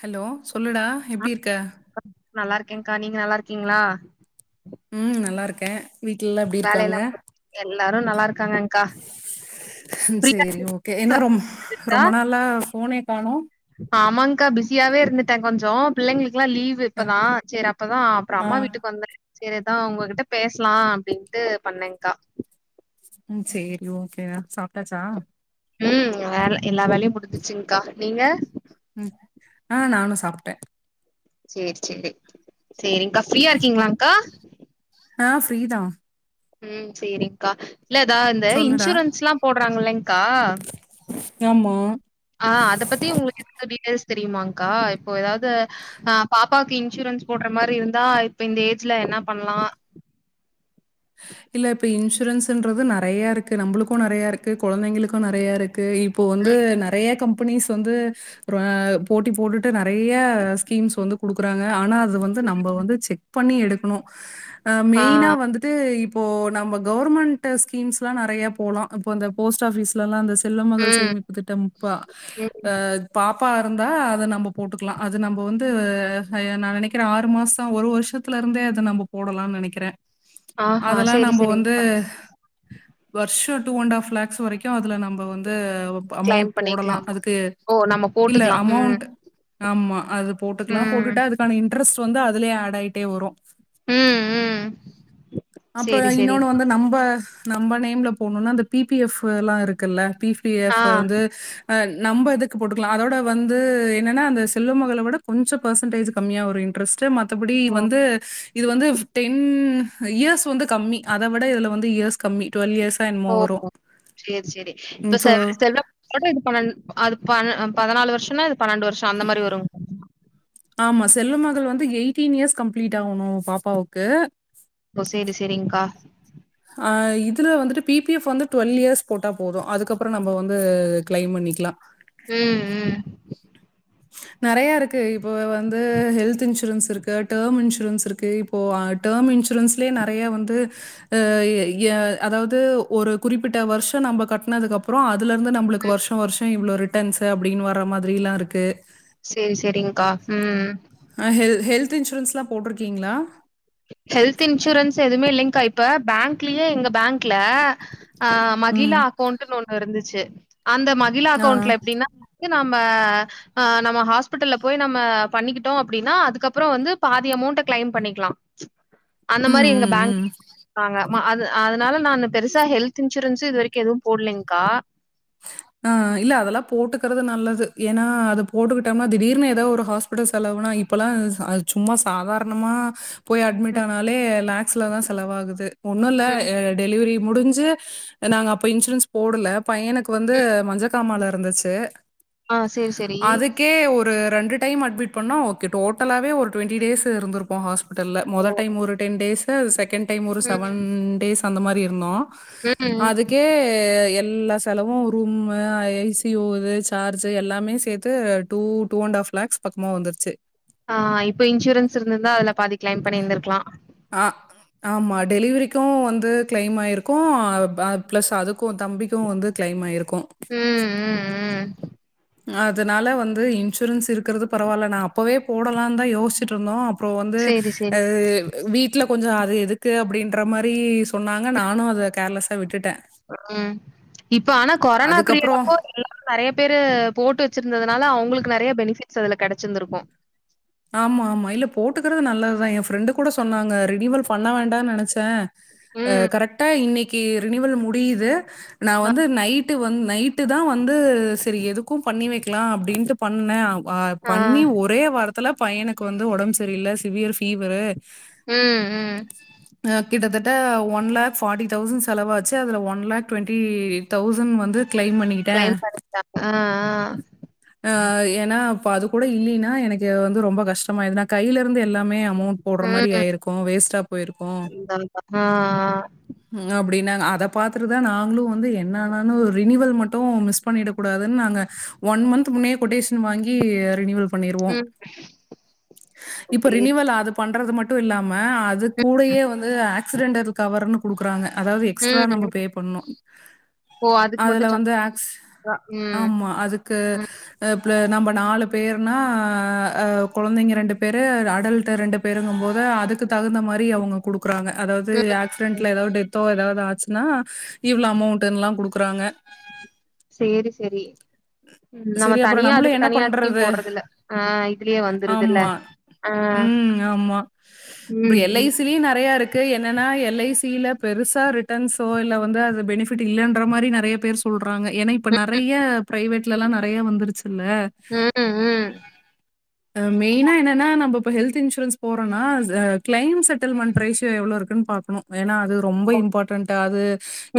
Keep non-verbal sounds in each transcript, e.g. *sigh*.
Hello சொல்லுடா எப்டி இருக்க நல்லாருக்கேங்க்கா நீங்க நல்லாருக்கிங்ளா ம் நல்லாருக்கே வேலையெல்லா முடிஞ் எல்லாரு நல்லாருக்காங்க சேரி ஓகே என்ன ரொம் ரொம்ப நாளா ஃபோனே காணோ ஆமாங்க்கா பிஸியாவே இருந்துட்ட கொஞ்ச பிள்ளைங்களுக்கெல்லா லீவ் வு இப்பதா செர் அப்பதா அப்பற ஆ அம்மா வீட்டுக்கு வந்த சேரி அதா உங்ககிட்ட பேசலா அப்டின்ட்டு பண்ணேங்க்கா ம் சேரி ஓகேடா சாப்ட்டாச்சா ம் வேல எல்லா வேலையு முடிஞ்சுருச்சுங்க்கா நீங்க ம் ஆ நானு சாப்ட்ட சேர் சேரி சேரிங்க்கா ஃப்ரீயா இருக்கிங்ளாங்க்கா ஆ ஃப்ரீதா ம் சேரிங்க்கா இல்ல த இந்த சொல்லுடா இன்சூரன்ஸ் எல்லா போடுறாங்கெல்லைங் க்கா ஆமா ஆ அத பத்தி உங்களுக்கு எந்த டீட்டெயல்ஸ் தெரியுமாங்க்கா இப்ப எதாவது அ பாப்பாவுக்கு இன்சூரன்ஸ் போடுற மாரி இருந்தா இப்ப இந்த ஏஜ்ல என்ன பண்லா இல்ல இப்ப இன்சூரன்ஸ்ன்றது நெறையா இருக்கு நம்புளுக்கு நெறையா இருக்கு குழந்தைங்களுக்கு நெறையா இருக் கு இப்போ வந்து ம். நெறையா கம் பெனிஸ் வந்து அ போட்டி போட்டுட்டு நெறைய ஸ்கீம்ஸ் வந்து குடுக்கறாங்க ஆனா அது வந்து நம்ப வந்து செக் பண்ணி எடுக்கணு அ ஆ. மெய்னா வந்து ட்டு இப்போ நம்ம கவர்மெண்ட் ஸ்கீம்ஸ்லா நெறையா போலா இப்ப இந்த போஸ்ட் ஆபிஸ்லல்லா அந்த செல்வ மகள் ம். சேமிப்பு திட்டம் இப்பா ம். அ பாப்பா இருந்தா அத நம்ம போட்டுக்கலா அது நம்ப வந்து நா நெனைக்கறே ஆறு மாச ஒரு வருஷத் துல இருந்தே அது நம்ம போடலான் நெனைக்கிறே ஆஹா! அதெல்லா சரி, நம்ப வந்து சரிங்கக்கா. வருஷ டூ அண்ட் ஆஃப் லேக்ஸ் வரைக்கு அதுல நம்ப வந்து கிளைம் அமௌண்ட் போடலா பண்ணிக்கலாமா? அதுக்கு ஓ! நம்ம இல்ல போட்டுக்கலாம். ம். அமௌண்ட் ஆமா அது போட்டுக்கலா ம். போட்டுட்டா அதுக்கான இன்ட்ரெஸ்ட் வந்து அதுலயே ஆட் ஆயிட்டே வரு ம், ம். அப்ற சரி, இன்னோனு சரிங்கக்கா. வந்து நம்ப நம்ப நேம்ல போணுனா அந்த பி பி எஃப் எல்லா இருக்குல்ல பி பி ஆ. எஃப் வந்து அ நம்ப இதுக்கு போட்டுக்கலா அதோட வந்து என்னன்னா அந்த செல்வ மகள விட கொஞ்ச பெர்சன்டேஜ் கமியா வரு பிரஸ்டு மத்தபடி இது ஓ! வந்து இது வந்து டென் இயர்ஸ் த்து வந்து கம்மி அத விட இதுல வந்து இயர்ஸ் கம்மி டுவல் இயர்ஸ் ஓ சேர் சேரி ம். இப்ப செ சோ செல்வ அதுவோட இது பன்னென் அது பண் பதுநாலு வருஷோனா இது பன்னெண்டு வருஷோ அந்த மாரி வருங் ஆமா செல்வ மகள் வந்து எயிட்டீன் இயர்ஸ் கம்பிளீட் ஆவுணு பாப்பாவுக்கு ஓ சேரி சேரிங்கா அ இதுல வந்துட்டு பி பி எஃப் வந்து டுவல் இயர்ஸ் போட்டா போது அதுக்கப்றோ நம்ம வந்து கிளைம் பண்ணிக்லா ம் ம் நெறைய இருக்கு இப்போ வந்து ஹெல்த் இன்சூரன்ஸ் இருக்கு டேம் இன்சூரன்ஸ் இருக்கு இப்போ டேம் இன்சூரன்ஸ்லே நெறையா வந்து அ எ அதாவுது ஒரு குறிப்பிட்ட வருஷோ நம்ப கட்னதுக்கு அப்றோ அதுல இருந்து நம்மளுக்கு வருஷ் இத்தன வருஷோ இவ்ளோ ரிட்டன்ஸ் அப்டின்னு வர மாதிரில்லா இருக்கு சேரி சேரிங்க்கா ம் ஆ ஹெ ஹெல்த் இன்சூரன்ஸ்லா போட்ருக்கீங்ளா ஹெல்த் இன்சூரன்ஸ் எதுமே இல்லிங்கா இப்ப பேங்க்லியே எங்க பேங்க்ல அ ம். மகிழா அக்கௌண்டுன்னு ஒன்னு இருந்துச்சு அந்த மகிழா ஆ. அக்கௌண்ட்ல எப்டின்னா க்கு நம்ம அ நம்ம ஹாஸ்பிட்டல்ல போய் நம்ம பண்ணிக்கிட்டோ அப்டின்னா அதுக்கப்றோ வந்து பாதி அமௌண்ட கிளைம் பண்ணிக்லா அந்த ம், மாரி எங்க ம், ம். பேங்க் நாங்க மா அ அதுனால நா பெருசா ஹெல்த் இன்சூரன்ஸு இது வரைக்கு எதுவு போல்லிங்க்கா ஆ இல்ல அதெல்லா போட்டுக்குறது நல்லது ஏனா அது போட்டுக்குட்டம்னா திடீர்னு எதோ ஒரு ஹாஸ் பிட்டல் செலவுனா இப்பெல்லா சும்மா சாதாரணமா போய் அட்மிட் ஆனாலே லாக்ஸ்ல தா செலவாகுது ஒன்னு இல்ல ம். டெலிவரி முடிஞ்சு நாங்க அப்ப இன்சூரன்ஸ் போடல பையனுக் னுக்கு வந்து மஞ்சக்காமால இருந்துச்சு ஆ சேரி சேரி கே ஒரு ரெண்டு டைம் அட்மிட் பண்ணோ ஓகே டோட்டலாவே ஒரு டுவெண்டி டேஸ் இருந்துருப்போ ஹாஸ் பிட்டல்ல மொத டைம் ஒரு டென் டேஸு அ செகண்ட் டைம் ஒரு செவன் ம். டேஸ் அந்த மாரி இருந்தோ ம். அதுக்கே எல்லாத் செலவு ரூம்மு ஏ சி ஓ இது சார்ஜு எல்லாமே சேத்து two two and half lakhs பக்மா வந்துருச்சு ஆ இப்ப இன்சூரன்ஸ் இருந்துருந்தா அதுல பாதி கிளைம் பண்ணிருந்துருக்லா ஆ ஆமா டெலிவரிக்கு வந்து கிளைம் ஆயிருக்கு ப்ளஸ் அதுக்கு தம்பிக்கு வந்து கிளைம் ஆயிருக்கு ம் ம் ம். அதனால வந்து இன்சூரன்ஸ் இருக்குறது பரவாயில்ல நா அப்பவே போடலானு தா யோசிட்டு இருந்தோ அப்றோ வந்து சரி சரி. வீட்ல கொஞ்சோ அது எதுக்கு அப்டின்ற மாரி சொன்னாங்க நானு அத கேர்லஸ்ஸா விட்டுட்டே ம் இப்ப ஆனா கொரோனா பீரியட் அதுக்கப்புறம் அப்போ எல்லா நெறையா பேரு போட்டு வச்சுருந்ததுனால அவுங்களுக்கு நெறையா பெனிஃபிட்ஸ் அதுல கெடச்சிருந்துருக்கு ஆமா ஆமா இல்ல போட்டுக்குறது நல்லதுதா எ ஃப்ரெண்டு கூட சொன்னாங்க ரினீவல் பண்ண வேண்டானு நெனச் ச ம். கரெக்டா இன்னைக்கு ரினிவல் முடியுது நா அ, வந்து நைட் டு வந்து நைட்டு தா வந்து சரி எதுக்கு பண்ணி வைக்கலா அப்டின்ட்டு பண்ணே அ ஆ. பண்ணி ஒரே வாரத்துல பையனுக்கு வந்து ஒடம்பு சரியல்ல சிவியர் ஃபீவரு ம், ம். அ கிட்டத்தட்ட ஒன் லாக் ஃபார்ட்டி தௌசண்ட் செலவாச்சு அதுல ஒன் லாக் டுவெண்ட்டி தௌசண்ட் வந்து கிளைம் பண்ணி கிளைம் பண்ணி *unintelligible* ஆ ஆ ஆ ஏனா இப்ப அது கூட இல்லைன்னா எனக்கு வந்து ரொம்ப கஷ்டமாயி நா கைல இருந்து எல்லாமே அமௌண்ட் போட்ற மாரி ம். ஆயிருக்கு வேஸ்டா போயிருக்கு அதான், அதான். ஆ, ஆ. ம் அப்டினாங்க அத பாத்துட்டுதா நாங்களு வந்து என்ன ஆனாலு ரினிவல் மட் டோ மிஸ் பண்ணிடக் கூடாது நாங்க ஒன் மந்த் முன்னே கொட்டேஷன் வாங்கி ரினிவல் பண்ணிருவோ ம். இப்ப ஓகே. ரினிவல் அத பண்றது மட்டு இல்லாம அது ம், கூடயே வந்து ஆக்சிடென்டல் கவருனு குடுக்குறாங்க அதாவது எக்ஸ்ட்ரா நம்ம ம். பே பண்ணணு *inaudible* அதுக்கு அதுல மட்டும் வந்து ஆக்ஸ் சம்பளம். ம், ஆமா அதுக்கு ம், நம்ம நாலு பேர்னா கொழந்தைங்க ரெண்டு பேரு அடல்ட் ரெண்டு பே பேருங்கும் போது அதுக்கு தகுந்த மாரி அவங்க குடுக்குறாங்க அதாவது ம். ஆக்சிடன்ட்ல ஏதாவது டெத் தோ எதாவது ஆச்சுன்னா இவ்ளோ அமௌண்ட்ன்ல்லா குடுக்குறாங்க சேரி செரி ம் நம்ம சரி அப்புறம் தனியா நம்மளும் அதுக்கு என்ன தனியா ஸ்கீம் பண்றது? போட்றதுல்ல ஆ இதுலயே வந்துருதுல்ல ஆமா. ஆ. ம் ஆமா இப்டி ம், எல் ஐ சி ம். லயு நெறயா இருக் கு என்னன்னா எல் ஐ சில பெருசா ரிட்டன்ஸ்ஸோ இல்ல வந்து அது பெனிஃபிட் இல்லன்ற மாரி நெறய பேரு சொ சொல்றாங்க ஏனா இப்ப நெறயா பிரைவேட்லலா நெறயா வந்துருச்சுல்ல ம்ம் மெயினா என்னன்னா நம்ம இப்போ ஹெல்த் இன்சூரன்ஸ் போறோன்னா கிளைம் செட்டில்மெண்ட் ரேஷியோ எவ்ளோ இருக் பாக்கணு ஏனா அது ரொம்ப இம்பார்ட்டன்ட் அது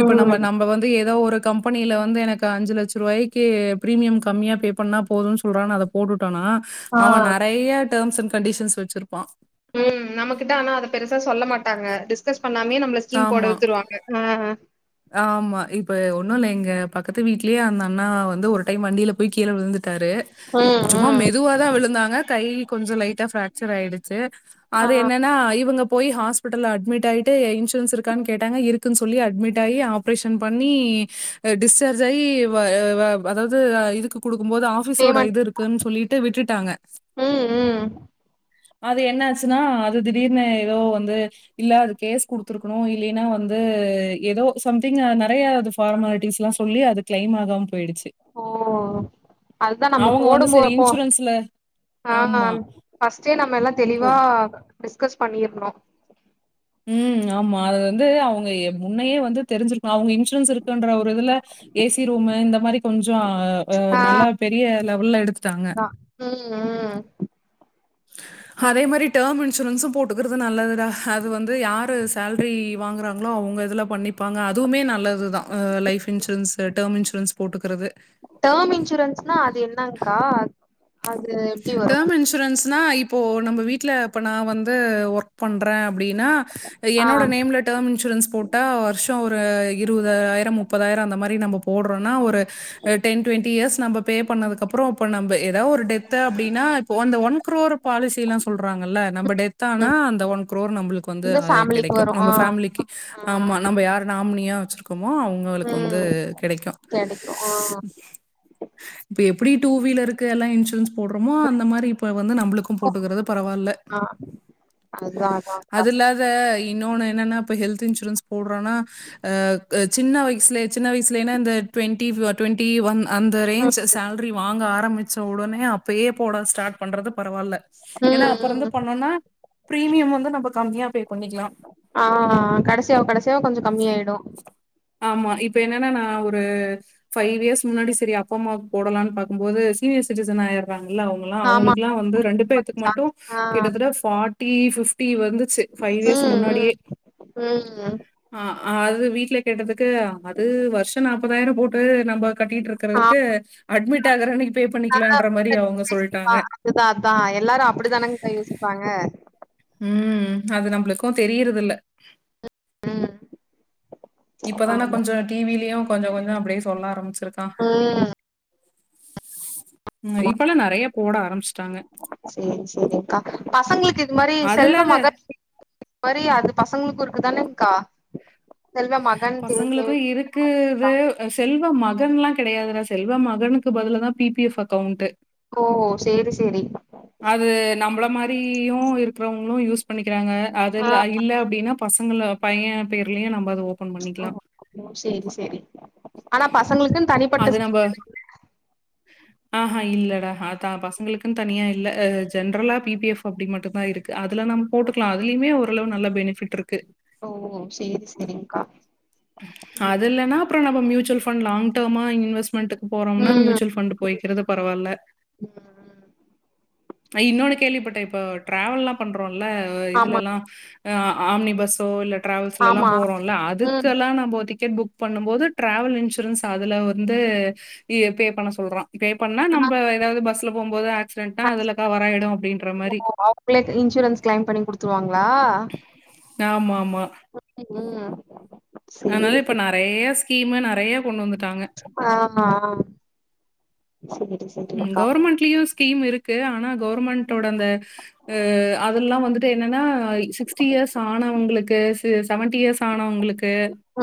இப்ப நம்ம நம்ம வந்து ஏதோ ஒரு கம் கம்பெனியில வந்து எனக்கு அஞ்சு லட்ச ரூபாய்க்கு பிரீமியம் கம்மியா பே பண்ணா போதுன்னு சொல்றானு அத போட்டுட்டோனா அவ ஆ. நெறயா டேம்ஸ் அண்ட் கண்டிஷன்ஸ் வச்சுருப்பா ம் நம்மகிட்ட ஆனா அத பெருசா சொல்ல மாட்டாங்க டிஸ்கஸ் பண்ணாமே நம்மள ஸ்கீம் போட ஆமா, வச்சுருவாங்க ம் ஆமா இப்ப ஒண்ணு இல்ல எங்க பக்கத்து வீட்லயே அந்த அண்ணா வந்து ஒரு டைம் வண்டில போய் கீழ விழுந்துட்டாரு ம் சும்மா ம் மெதுவா தா விழுந்தாங்க கை கொஞ்ச லைட்டா ஃப்ராக்சர் ஆயிடுச்சு ஆ அது என்ன இவங்க போய் ஹாஸ்பிட்டல்ல அட்மிட் ஆயிட்டு இன்சூரன்ஸ் இருக்கானு கேட்டாங்க இருக்குனு சொல்லி அட்மிட் ஆப்ரேஷன் பண்ணி டிஸ்சார்ஜ் ஆகி அதாவது இதுக்கு குடுக்கும்போது ஆப் ஆஃபிஸோட பேமெண்ட் இது இருக்குன்னு சொல்லிட்டு விட்டுட்டாங்க ம் ம் அது என்ன ஆச்சுன்னா அது திடீர்னு ஏதோ வந்து இல்ல அது கேஸ் குடுத்துருக்கணு இல்லைன்னா வந்து எதோ சம்திங் நெறயா அது ஃபார்மாலிட்டிஸ்ல்லா சொல்லி அது கிளைம் ஆகாம போயிடுச்சு ஓ அதுதா நம்ம அவங்க வந்து போடும்போ சரி ப்போ இன்சூரன்ஸ்ல ஆ ஆமா ஃபஸ்டே நம்ம எல்லா தெளிவா ஓ டிஸ்கஸ் பண்ணிர்ணு ம் ஆமா அது வந்து அவங்க முன்னையே வந்து தெரிஞ்சு அவங்க இன்சூரன்ஸ் இருக்குன்ற ஒரு இதுல ஏசி ரூம் இந்த மாதிரி கொஞ்சோ நல்லா பெரிய லெவல்ல எடுத்து ம் ம் அதே மாரி டேர்ம் இன்சூரன்ஸு போட்டுக்கிறது நல்லதுதா அது வந்து யாரு சால் ரி வாங்குறாங்களோ அவங்க இதுல்லா பண்ணிப்பாங்க அதுவுமே நல்லது தா லைஃப் இன்சூரன்ஸு டேர்ம் இன்சூரன்ஸ் போட்டுக்கறது டேம் இன்சூரன்ஸ்னா அது என்னங்க்கா அது எப்டி வரும் இன்ஷூரன்ஸ்னா இப்போ நம்ம வீட்ல இப்போ நான் வந்து ஒர்க் பண்றேன் அப்டின்னா ஆ என்னோட நேம்லட் டேம் இன்சூரன்ஸ் போட்டா வருஷம் ஒரு இருவதாயிரம் முப்தாயிரம் அந்த மாரி நம்ம போடுறோம்னா ஒரு டென் டுவெண்டி இயர்ஸ் நம்ம பே பண்ணதுகு அப்றோ இப்ப நம்ப ஏதோ ஒரு டெத் அப்டின்னா இப்ப ஒந்த ஒன் கோரோர் பாலிசியில்லா சொல்றாங்கல்ல நம்ம டெத் தனா ம் அந்த ஒன் கோரோர் நம்ளுக்கு வந்து இந்த ஃபேமிலிக்கு கிடைக்கும் வரு ஆ நம்ம ஃபேமிலிக்கு ஆ ஆமா நம்ம யாரு நாமினியா வெச்சிருக்கோமோ அவங் களுக்கு வந்து ம் கெடைக்கு கெடைக்கு ஆ இப்ப எப்டி டூ வீலருக்கு எல்லா இன்சூரன்ஸ் போடுறோமோ அந்த மாரி இப்ப வந்து நம்ளுக்கும் போட்டுக்கிறது பரவாயில்ல ஆ அதுதா அதாங்க்கா அது இல்லது இன்னொன்னு என்னன்ன இப்ப ஹெல்த் இன்சூரன்ஸ் போடுறோனா சின்ன வயசுல சின்ன வயசுலன இந்த டுவெண்டி ஒன் டுவெண்டி ஒன் அந்த ம் ரேஞ்ச் சேலரி வாங்க ஆரம்பிச்ச உடனே அப் அப்யே போட ஸ்டார்ட் பண்றது பரவாயில்ல ஏனா ம் ம். அப்புருந்து பண்ணோன்னா பிரீமியம் வந்து நம்ம கம்மியா பே பண்ணிக்கலாம் ஆ கடைசியாவ கடைசியாவ கொஞ்ச கம்மியயிடும் ஆமா இப்ப என்னன்னா நான் ஒரு பைவ் இயெர்ஸ் முன்னாடி செரி அப்ப அம்மாவு போடலாம்னு பாக்கும் போது சீனியர் சிட்டசன் ஆய ராங்கல்ல ஆமா அவங்களுக்குெல்லாம் வந்து ரெண்டு பேத்துக்கு மட்டும் ஆ கிட்டத்தட்ட ஃப பிப்டி ஃப்ட்டி வந்துச்சு ஃபபைவ் இயர்ஸ் ம் முன்னாடியே ம் ம் ஆ அது வீட்ல கேட்டதுக்கு அது வருஷம் நாப்தாயிரம் போட்டு நம்ம கட்டிட்டு இர் ஆ இருக்குறதுக்கு அட்மிட் ஆகற அன்னைக்கு பே பண்ணிக்கலாம் மாரி அவங்க சொல்லிட்டாங்க இதா அதான் எல்லாரும் அப்படித்தானேங்ககா யோசிப்பாங்க ம் அது நம்மளுக்கும் தெரியறத இல்ல ம் இப்பதானே ஆமா கொஞ்ச டிவிலயும் கொஞ்ச கொஞ்சம் அப்டியே சொல்ல ஆரம்பிச்சிருக்கான் ம் இப்ப எல்லாம் நெறைய போட ஆரம்பிச்சுட்டாங்க செரி செரிங்க அக்கா பசங்களுக்கு இது மாரி செல்வ அதுலத மகள் மரி அது பசங்களுக்கு இருக்குதானே க்கா பசங்களுக்கு இரு க்குது செல்வ மகன்ல்லா கிடையாதுட செல்வ மகனுக்கு பதில தான் பி பி எஃப் அக்கௌண்ட் ஓ சேரி சேரி அது நம்மள மாரியும் இருக்கிறவங்களும் யூஸ் பண்ணிக்கிறாங்க ஆ அதுல்ல இல்ல அப்டின்னா பசங்க பையன் பேர்லயும் நம்ம அத ஓப்பன் பண்ணிக்கலாம். செரி செரி ஆனா பசங்களுக்குன்னு தனிப்பட்ட எதுவு இல்ல. ஆ ஹா இல்லடா தா பசங்களுக்கும் தனியா இல்ல ஜென்ரலா பி பி‌ எஃப் அப்டி மட்டும் தான் இருக்கு அதுல நம் போட்டுக்கலாம் அதுலயு ஓரளவு நல்ல பெனிஃபிட் இருக்கு ஓ சேரி சேரி்ங்கா அது இல்லன்னா அப்ரம் நம்ம மூச்சுவல்ஃபண்ட் லாங் டர்மா இன்வெஸ்மெண்டக்கு பேரம்ன ம் மூச்சுவல் ஃபண்ட் போய்க்கிறது பரவாயில்ல ம் நா இன்னொன்னு கேள்விப்பட்டேன் இப்ப டிராவல்லா பண்றோம்ல ஆமா இதுலல்லா ஆம்னி பஸ்ஸோ இல்ல ட்ராவல்ஸ்ல எல்லா ஆமா போறோம்ல அது ம் தான் நம டிக்கெட் புக் பண்ணும் போது டிரவல் இன்சூரன்ஸ் அதுல வந்து பே பண்ண சொல்ற பே பண்ணா ஆ நம்ப ஏதாவது பஸ்ல போகும் போது ஆக்சிடென்ட்னா அதுல் கவராயிடும் அப்டின்ற மாரி பிளேட்டு இன்சூரன்ஸ் கிளைம் பண்ணி குடுத்துருவாங்ளா ஆமா ஆமா ம் சேரி அதனால இப்ப நெறைய ஸ்கீமு நெறைய கொண்டு வந்துட்டாங்க ஆமா சேரி சேர் ம் கவுர்மெண்ட்லயு ஸ்கீம் இருக்கு ஆனா கவுர்மெண்டோட அந்த அ அதெல்லா வந்துட்டு என்னன்னா சிக்ஸ்டி இயர்ஸ் ஆனவுங்களுக்கு செவன்டி இயர்ஸ் ஆணவுங்களுக்கு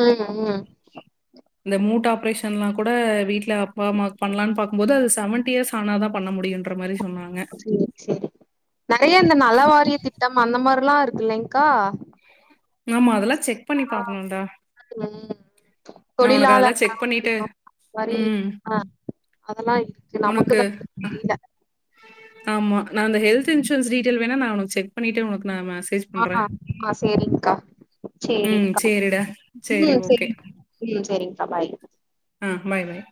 ம் ம் இந்த மூட் ஆப்ரேஷன்லா கூட வீட்ல அப்பா அம்மாக் பண்லான் பாக்கும்போது அது செவன்டி இயர்ஸ் ஆனா தா பண்ண முடியுன்ற மாரி சொன்னாங்க சேரி சேரி நெறைய இந்த நல வாரிய திட்டம் அந்த மாரில்லா இருக்கு இல்லைங்க்கா ஆமா அதெல்லா செக் பண்ணி பாக்கணுன்டா ம் தொழிலாள அதெல்லாம் செக் பண்ணிட்டு *inaudible* மாரி ம். அ அதெல்லா இருக்கு உனக்கு நமக்குதா *inaudible* தெரில ஆமா நா அந்த ஹெல்த் இன்சூரன்ஸ் டீடெய்ல் வேனா நா உனக் செக் பண்ணிட்டு உனக்கு நா மெசேஜ் பண்றேன். ஆ ஆ சேரிங்க்கா ம் சேரிங்க்கா சரிடா. சரி ம் ஓகே. சேரி ம் சேரிங்க்கா பாய் அ பாய் பாய்